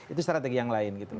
itu strategi yang lain